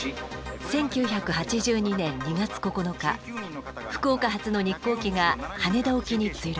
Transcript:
１９８２年２月９日福岡発の日航機が羽田沖に墜落。